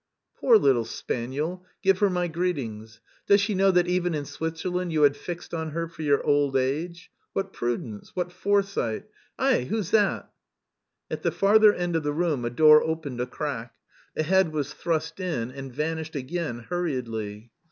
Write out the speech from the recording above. "Poor little spaniel! Give her my greetings. Does she know that even in Switzerland you had fixed on her for your old age? What prudence! What foresight! Aie, who's that?" At the farther end of the room a door opened a crack; a head was thrust in and vanished again hurriedly.